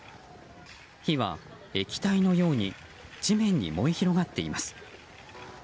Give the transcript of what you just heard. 火は液体のように地面に燃え広がっています。